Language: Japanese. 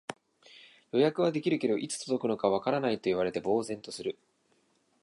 予約はできるけど、いつ届くのかわからないと言われて呆然とする